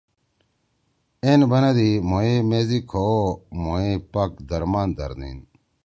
این بنَدی مھوئے میس ئی کھؤ او مھوئے پاک درمان دھرنیِن۔